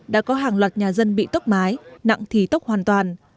đã có hàng loạt nhà dân bị tốc mái nặng thì tốc hoàn toàn